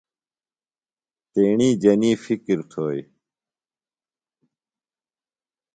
تیݨی جنیۡ فکر تھوئی